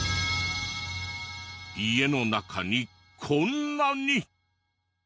家の中にこんなに。